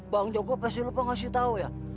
bang joko pasti lupa ngasih tahu ya